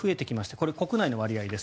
これは国内の割合です。